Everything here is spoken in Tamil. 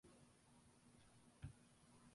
அவள் பதுமையின் அந்தப்புரத்தை நோக்கி விரைந்தாள்.